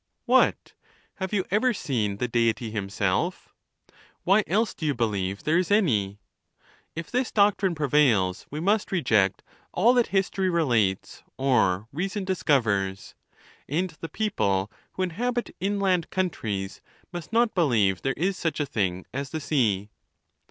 What ! have you ever seen the Deity himself? Wliy else do you believe there is any? If this doctrine prevails, we must" reject all that history relates or reason discovers ; and the people who inhabit inland countries must not believe there is such a thing as the sea.